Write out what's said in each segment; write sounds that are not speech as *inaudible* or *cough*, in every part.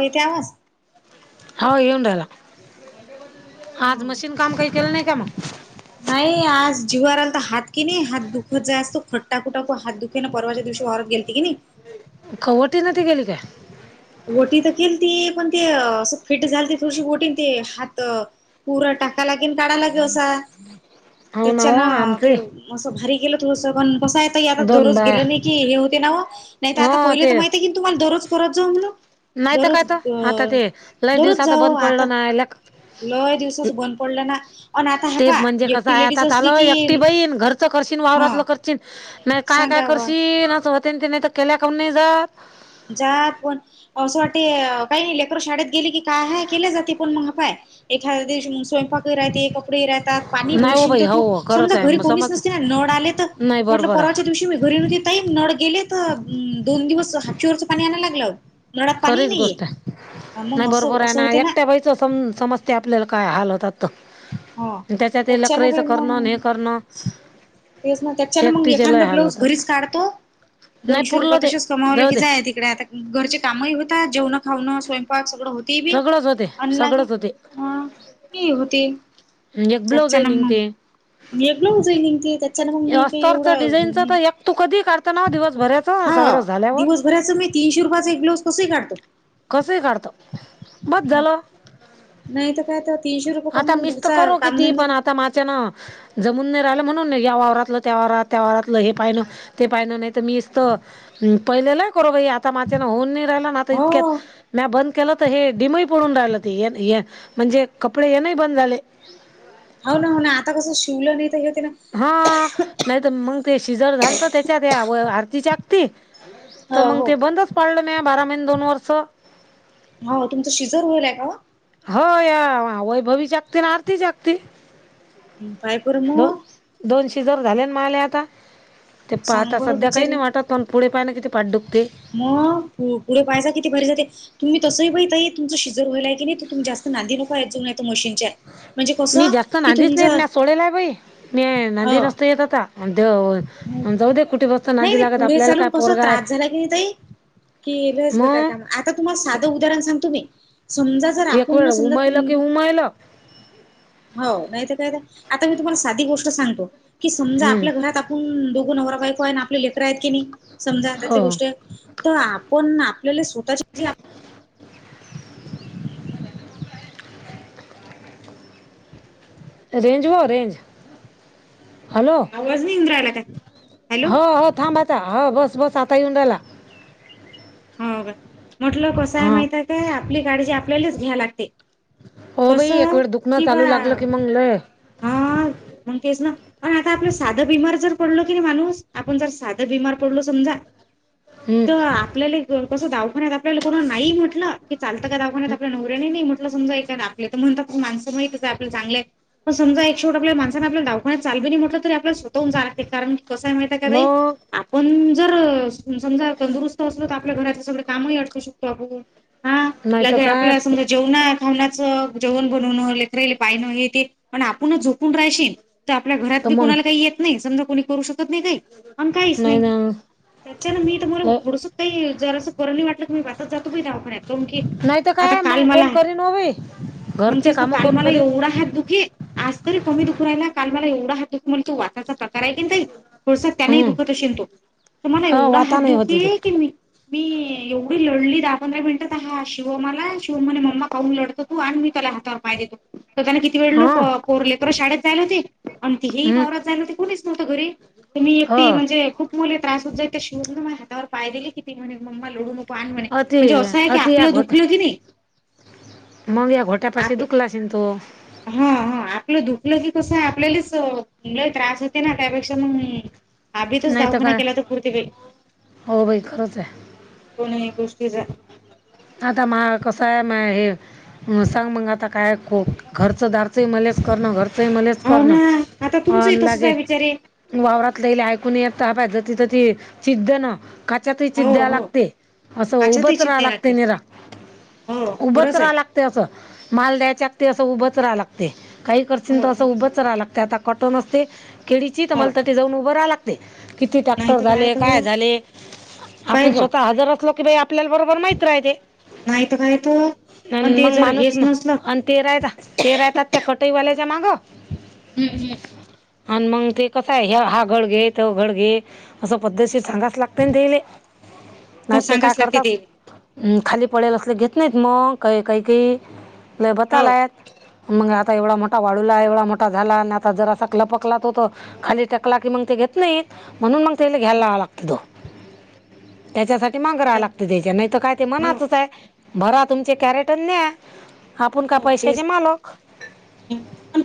येते आवाज. हो येऊन राहिला आज मशीन काम काही केलं नाही का मग नाही आज जीवारला तर हात की नाही हात दुखत जाय असतो खट्टाकू टाकू हात दुखेने परवा शहरात गेलती की नाही. खवटी न त गेली काय. वोटी तर केली त पण ते असं फिट झाल ते थोडीशी वोटिंग ते हात पुूर टाकाला केन काढायला केवा. हो ना हो त्याच्यान ते आमचे असं भारी गेलं थोडस पण कसं आहे आता दोन दररोज बाया गेलं नाही की हे होते ना हो नाही तर हो आता पहिलं तर महित आहे की तुम्हाला दररोज करत जाऊ म्हण. नाहीत काय तर आता ते लई दररोज दिवसाच जाऊ बंद पडले आता नाहील्या. लय दिवसाच बंद पडलं ना अन आता हा ते पा म्हणजे कसं एकटी आहे लेडीज आताात आल असली एकटी की बहीण घरचं करशन हा वावरातलं करशन नाही काय काय सांगावा करशील होते ते नाही तर केल्या काून नाही जात जा पण असं वाटते काही नाही लेकर शाळेत गेली की काय हय केली जाते पण मग ह पाय एखादा. व स्वयंपाक राहते कपडे राहतात पाणी नाही हो भरशीलन बाई तर तू हो खरंच समजा आहे घरी मग कोणीच समज नसते ना नळ आले तर. नाही म्हट बरोबर परवाच्या आहे दिवशी मी घरी नळ गेले दोन दिवस हरच पाणी आणला लागलं म्ह पाणी खरीच नाहीये. गोष्ट आहे नाही मग असं बरोबर आहे असं ना होते एकट्या बाईच सम समजते आपल्याला काय हाल होतात. तर हा त्याच्यात ते लकराईचं त्याच्यानी करणं मग. आणि हे करणं तेच ना त्याच्याने मग एकटीचे लय एखादा हाल ब्लाऊज होतात घरीच काढतो. नाही दोनशे पुरलं रुपये ते तसेच कमावले जाऊ की दे जाय तिककडे आता घरचे कामही होत जेवण खाणं स्वयंपाक. ए होती बी सगळंच होते आणि लागे सगळंच होते की होती. एक ब्लाऊजही त्याचच्यान निघते मगलज आहेन ते. मग मी काही अस्तरच एवढं डिझाईनच आहे. तर एक तू कधी काढतो ना दिवसभराचं हा सगळं झाल्यावर दिवसभराच मी तीनशे रुपयाचा एक ब्लाऊज तसही काढतो. कस काढत बस झालो. नाही तर काय तर तीनशे रुपये आता म कमवून मिस तर घरचा करू किती कामधंदा पण आता माझे न जमून नाही राहिला. म्हणून या वावरातलं त्याात त्या वाातलं हे पाहिण ते पाहिण नाही तर मीत पहिलेला आता मा होऊ नाही राहिला हो इतक्यात बंद के तर हे डम पडून राहिलं ते म्हणजे कपडे ये नाही बंद झाले हो ना हो ना आता कसं शिवलं नाही तर ते ना हा नाहीत मग ते शिजर झालं तर त्यांच्यात आरती च्यागती तर हो मग ते हो बंदच पाडलं मग बारा महिने दोन वर्ष हो तुमचा शिजर होईल आहे का हो या वैभवी जगती ना आरती जागती. काय कर द मग दोन जर झाले ना मला आता ते सांग पाहता बरं सध्या काही बिचारे नाही वाटत पण पुढे पाहाय ना पाठ दुखती. मग पुढे पैसा किती भरी जातय. तुम्ही तसं बई ताई तुमंच शिजर व्हाल का नाय तुम्ही जास्त नादी नका येत जाऊ मशीनच्या म्हणजे मी कसं जास्त की नादीच नाय येत तुमचं नाय सोडेला आहे बाई मी ह नादी नसत येत आता. आ जाऊ दया कुठे बसता नाही नादी नाही लागत पुढे आपल्याला चालून काय कस पोरगा आहे. त्रास झाला ताई की लयच बेकार मग काम आता तुम्हाला साधं उदाहरण सांगतो मी समजा जर एक आपण न वेळ समजा तुम उमायलं की उमायलं हो नाही तर काय. आता मी तुम्हाला साधी गोष्ट सांगतो की समजा हं. आपल्या घरात आपण नवराबायको आणि आपले लेकर आहेत की नाही समजा हो त्या गोष्टी आपण आपल्याला स्वतःचे जे रेंज व रेंज हॅलो आवाज नाही येऊन राहिला काय हॅलो. हो हो थांब हो बस बस आता येऊन राहिला होव का म्हटलं कसंय हां माहित काय आपली काळजी आपल्यालाच घ्या लागते हो कस बाई एक वेळ दुखणं कि बा चालू लागलं की मग लय हा मंगकेश ना पण आता आपलं साधं बीमार जर पडलो की नाही माणूस आपण जर साधं बीमार पडलो समजा हं. तर आपल्याला कसं दावाखान्यात आपल्याला कोणा नाही म्हटलं की चालंत का दवाखान्यात आपल्या नवर्‍यानि ही नाय समजा आपल्या म्हणतात पण माणंस माहित आपलं चगलंय पण समजा एक शेवट आपल्या माणंस आपल्याला दवाखान्यात चाल त जरी म्हणटल तरी आपल्या स्वतःहुन जाव लागतयं कारण कस हाय माहिती आहे का बाई मग जर समजां तंदुरुस्त असल तर आपल्या घराच सगळ कामही अटूपू शकतो आपण हा नाही तर लगे काय आपल्या समजा जेवणार खावनाचं जेवण बनवणं लेकराले पायणं हे ते प आपणच झोपून राहाशी तर आपल्या घरात तर बी मग कोणाला काही येत नाही समजा कोणी करू शकतो कत नाही आणि काहीच नाही त्याच्यान मी तुम्हाला लय थोडसं जर असं बरं नाय वाटलं की मी *unintelligible* जातो बाय दवाखान्यात *unintelligible* की नाही तर आता काय काल मग मला कोण आहे करीन हो बाई मग घरचे तेच ना काम काल कोण मला करीन एवढा हात दुखे आज तरी कमी दुखू राहिला काल मला एवढा हात दुखू म्हणतो तो वाताचा कराय की नाही ताई थोडसा त्यांनाही हम्म दुखत अशेन तो तर मला हा एवढा हात वाता नाही होते ते दुखे की मी मी एवढी लढली दहा पंधरा मिनिटात हा शिवम आला शिवम म्हने मम्मा पाहून लढतो तू आणि मी त्याला हातावर पाय देतो तर त्याना किती वेळ हा लोक पोर लेकर शाळेत जायला होते आणि तिही हम्म वावरात जायला होते कोणीच नव्हं घरी त मी हो एकटी म्हणजे खूप मले त्रासत जाय ते शिवूमन हातावर पाय दिले किती म्हणे मम्मा लढू नको पण म्हणे अति म्हणजे असं आहे की आपलं दुखलं की नाही मंग या घोट्या पाशी आप दुखलाशेन तो हा हा आपलं धुकलं की कस आपल्यालाच मुल त्रास होते ना त्यापेक्षा मग आदितच नाही दावाखाना काय केला तर पुरतय बाय हो भाई खरंच आहे कोणही गोष्टीच आता महा कस आहे म हे सांग मग आता काय खो घरचं दारचं मलाच करणं घर मलाच हो करण ना आता तुमचंही अन तसंच लागे आहे बिचारे वावरात लयले ऐकून येत *unintelligible* तिय ती चिद्द न काच्यातही चिद् हो द्याय हो लागते असं काच्यातही उभच चित राहा द्याय लागत लागते हो *unintelligible* उभंच खरंच आहे राहा लागते अस माल द्यायच्या अस उभ राहा लागते काही करचीन हो तर हो असं उभंच राहा लागते आता कटु न असते केळीची तर हो म्हाला तटे जाऊन उभं राहा लागते किती नाही टॅक्टर तर झाले तर काय झाले पाय आपण बा स्वतः हजर असलो की बा आपल्याला बरोबर माहिती राहयते माहित काहीत मग माणूस म आणि ते राहताात ते राहतात त्या कटईवाल्या हम्म हम्म. आण मग ते कस आहे ह हा घड घे ते घड घे असं पद्धती सांगाच लागते तेले. हो नाही ते काय सांगाच लागते करतात. ते अं, खाली पडेल असले घेत नाहीत मग काही काही लय हो बतालायत.. मग आता एवढा मोठा वाढूला एवढा मोठा झाला आणि आता जरा असा कपकलात होत खाली टकला की मग... ते घेत नाही म्हणून मग त्याला हो घ्यायला लागत तो. *inaudible* त्याच्यासाठी माघरा लागत तेचा नाही तर काय. ते हो मनातच आहे भरा तुमचे कॅरेटन न्या. आपण का हो पैशाचे तेच मालक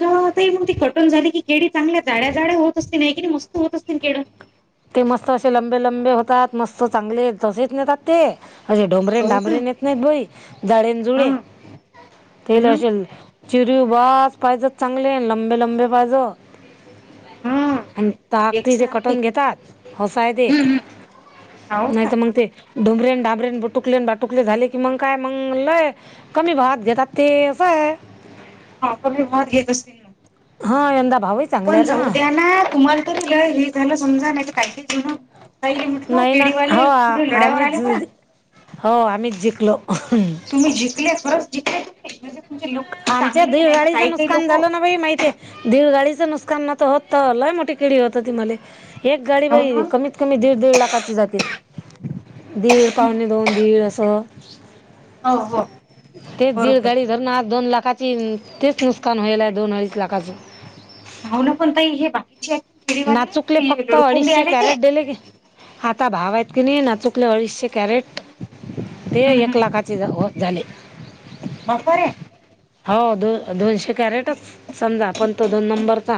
ता मग ती कॉटन झाली की केडी चांगल्या जाड्या जाड्या होत असतील नाही कि मस्त होत असतील केड. ते मस्त असे लंबे लंबे होतात मस्त चांगले तसेच नेतात ते. अे ढोंमरेण हो का डामबरेण येत नाहीत बई जाळेन हा जुळे हो तेला ना असे.. चिरी बा पाहिजे चांगले लंबे लंबे पाहिज. हा आणि ताकती जे एकसारखे कटण घेतात. होस आहे ते हम्म हम्म हो नाही का तर मग ते... ढुबरेन डाबरेन बुटुकलेन बाटुकले झाले की मग काय मंग लय कमी भावात घेतात ते अस.. हा कमी भावाततघेत असतील ना. हा यंद.. पण जाऊ द्या ना तुम्हाला तरी लय हे झालं समजा नाही काच ना.. काही म्हण नाही ना हो केडीवाले पूढे आ- लोढ्यावरले आम्हीच परा.. हो आम्हीच जिंकलो तुम्ही जिंकले परच जिंकले. तुम्ही म्हणजे तुमचे लोक खूप आमच्या चांगले दिव नाही तर गाडीचं काही काही नुकसान लोक हो झालं ना भाई माहितीय दिव गाडी.. नुकसान ना होत त लय मोठी केळी होत ती मले. एक गाडी बाई ना कमीत कमी दीड -दीड लाखाची जाते. दीड पावणे दोन दीड असं.. हो हो तेच दीड बरोबर गाडी आहे धरून आज दोन लाखाची तेच नुकसान व्हायल. दोन अडीच लाखचं. भावना पण तही हे बाकी.. ना चुकले फक्त अडीचशे आले ते कॅरेट दिले ग.. आता भाव आहेत की नाही ना चुकले अडीचशे कॅरेट. ते एक लाखाचे होत झाले. मगपर हे. हो दो दोनशे कॅरेटच समजा पण तो दोन नंबरचा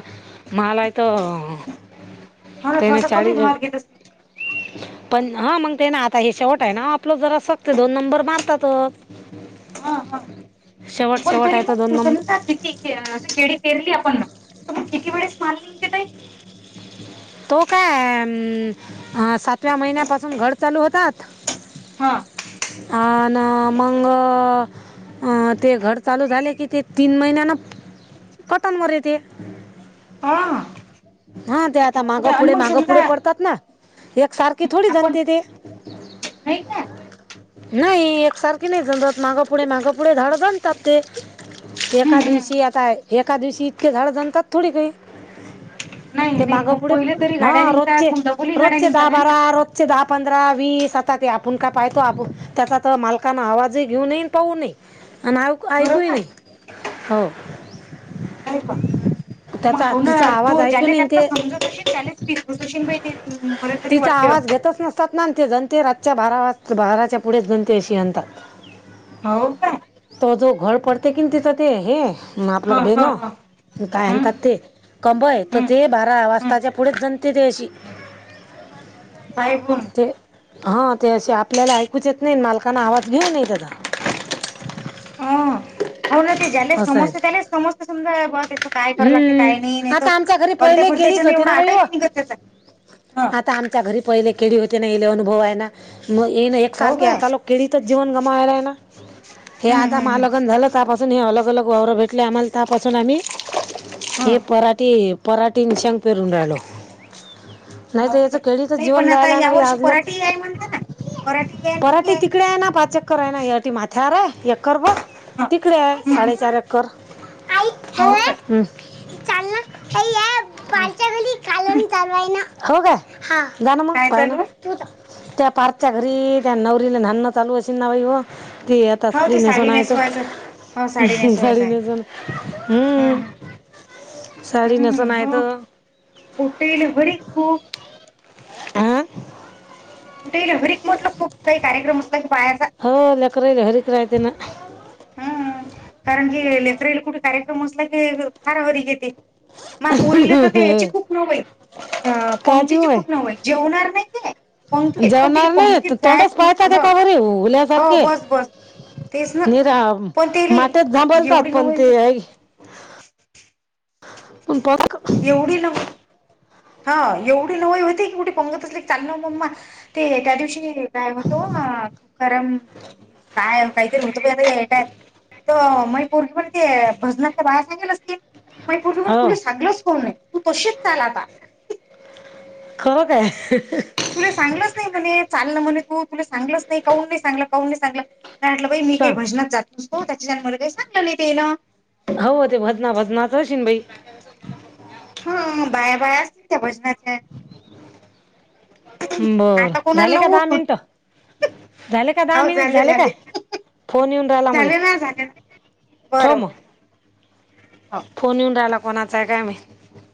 मलायथ.. हो ना तेन थोडासा कमी चाळी ग.. भावात घेत असतील पण हा मग ते ना आता हे शेवट आहे ना आपलं जरा सगते दोन नंबर मारतातच. हा हा शेवट पण शेवट तरी आहे तर दोन मग नंबर समजा किती केळी पेरली आपण. त किती वेळेस माल निगते ताई. तो काय अ सातव्या महिन्यापासून घड चालू होतात. हा अ ना मंग आ.. अं ते घड चालू झाले की ते तीन महिन्याना.. कटनवरी ते. हा. हा त्या. आता हो माग का? आणि पुढे मग माग पुढे समजा पडतात ना एक सारखी थोडी आपण जणते ते. नाही का. नाही एकसारखी नाही जमत मागं पुढे माग... पुढ झाड गंज तापते एका हम्म हम्म दिवशी एक अ.. एका दिवशी इतके झाड जणतात थोडी काही. नाही ते नाही माग मग पुढे पहिले तरी हा गाड्या रोजचे निघतात मग डबोली गाड्या रोजचे निघतात दहा आहे ना बारा रोजचे दहा पंधरा. ता आपण का पाो त्याचा मालक आवाज घेऊ पाे खरं ऐकू का नाही हो खरे त्याचा मग ना तिचा आवाज तो त्या ऐकून येईन त्यात ते समज त्या सचनई ते मर तरी वाटते अस आच्या बारा बाराच्या पुढेच दणते अशी आणतात हो काय त जो घर पडतेे की तता ते ह हा आपलं हा बेण हा काय हम्म आणतात ते कंबय तर हम्म ते बारा हम्म वाजताच्या पुढे अदंत देशी साहेबण हा ते असे आपल्याला ऐकूच येत नाही मालकांना आवाज घेऊन न त्याचा हा होऊन ते जले असं आहे सस्त त्याचाले सस्त समधा हम्म आता आमच्या घरी भलत्या पहिले केळीच भलत्याच्यानं होती एवढा ना भाई आटाही व नाही निघत त्याचा हा. आता आमच्या घरी पहिले केळी होते नाहीले अनुभव आहे ना मग ये ना हो एकसारखे काय आता लोक केळी तर जीवन गमाला आहे हे हम्म आता हम्म हम्म मलगन झालं हे अलग अलग वावर भेटले आम्हाला त्यापासून आम्ही हा हे पराट पोराठीी निशांंग पेरडाळ नाही हो तर काय याचं केळीच नाही पण जीवन आता जायाला आहे या ना बा वर्षी आज लोक पराठी आहे म्हणता ना पराठी पराटे आहे तिकडे आहे ना पाचक्कर आहे ना या माथ्यावर आहे एकर बर तिकडे आहे साडेचार एकर हो काय ह चालल या पा कालून चालवाय ना हो काय जाण मग काय पाया न चालू आहे त्या पारथच्या घरी त्या नवरीला नणं चालू अस ना बाई हो ते आता हो ते साडीने साडी सुनाय तो नेसवायचं हो नेसवायचं साडी आहे न जाण हम्म साडी हम् नेसून आहे हो तर पोटेल हरी खूप अं कुठे हरीिक म्हटलं खूप काही कार्यक्रम असत की पायाचा प्र्रयतीनां कारण की लेकरराईला कुठे कार्यक्रम असला की फार हारी घेते मापोरले तर ते याची खूप नवई अं काची पंक्तीची होय खूप नावई जेवणार नाही ते पंखी पण तिला जेवणार नाही पंतीत तर तोंडच जायचं पाहतात म्हटलं ते ह का बरे हो हुल्यासारखे बस बस तेच ना निरा पण ते ल माटेत झांबलतात एवढी न पण होईल ते ऐ- प पता एवढी ना हा एवढी लोई होती की कुठे पंगत असले चाल ना मम्मा ते त्या दिवशी काय होतो तू खरम काय काहीतरी होतो प आताटयत तर मई पूर्वी पण ते भजनांच्या बाया सांगेलचतील मई पूर् पण हो तुला सांगलच कोण नाही तू तशीच चाल आता खरं काय तुला सांगलच नाही पणे चाललं म्हणे तू तुला सांगलंच नाही कून नाही सांगलं कून नाही सांगलं नाही म्हटलं बाई मी काही सांग भजनात जातोसत त्याच्या मला काही सांगलं नाही तेला हो ते भजना भजनाच असेन बाई हा बाया बायाज त्या भजनाचे बर आता कोणाला झाले का लावू दहा आपण मिनिटं झाले का दहा हो मिनिट झाले काय झाले फोन येऊन राहिला मला झाले ना झाले ना ठेव बरोबर मग फोन येऊन राहिला कोणाचा आहे काय माहित